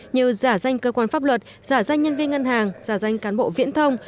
như giả danh cơ quan pháp luật giả danh nhân viên ngân hàng giả danh cán bộ viễn thông